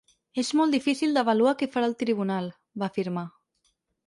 És molt difícil d’avaluar què farà el Tribunal, va afirmar.